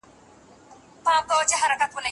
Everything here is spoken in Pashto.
د ملا ستونی د وېرې له امله وچ شو.